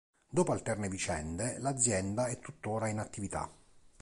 Dopo alterne vicende, l'azienda è tuttora in attività.